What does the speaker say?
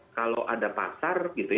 jadi kalau ada pasar gitu ya